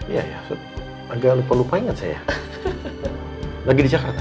iya ya agak lupa lupa ingat saya lagi di jakarta